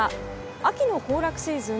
秋の行楽シーズン